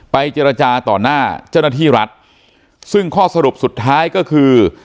เจรจาต่อหน้าเจ้าหน้าที่รัฐซึ่งข้อสรุปสุดท้ายก็คือ